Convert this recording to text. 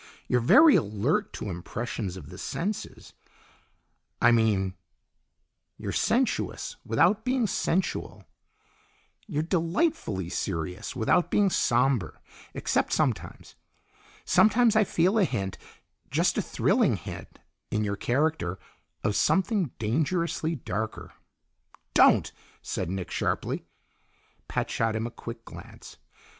You're very alert to impressions of the senses I mean you're sensuous without being sensual. You're delightfully serious without being somber, except sometimes. Sometimes I feel a hint, just a thrilling hint, in your character, of something dangerously darker " "Don't!" said Nick sharply. Pat shot him a quick glance.